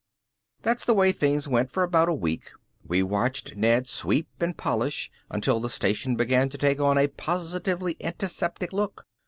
That's the way things went for about a week. We watched Ned sweep and polish until the station began to take on a positively antiseptic look.